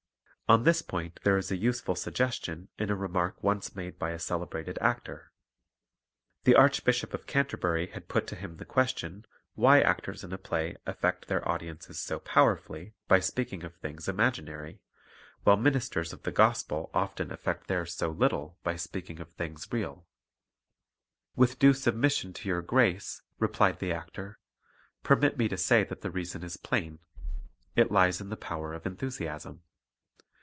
On this point there is a useful suggestion in a remark once made by a celebrated actor. The Arch bishop of Canterbury had put to him the question why actors in a play affect their audiences so powerfully by speaking of things imaginary, while ministers of the gospel often affect theirs so little by speaking of things real. "With due submission to your grace," replied the actqr, "permit me to say that the reason is plain: it lies in the power of enthusiasm.